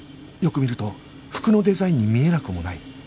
よく見ると服のデザインに見えなくもない